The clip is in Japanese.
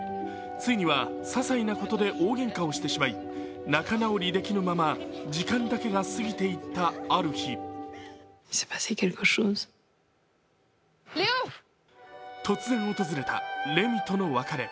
ついには、些細なことで大げんかをしてしまい仲直りできぬまま時間だけが過ぎていったある日突然訪れたレミとの別れ。